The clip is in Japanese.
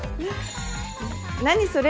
何それ？